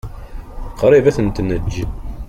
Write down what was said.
Qṛib ad ten-neǧǧ.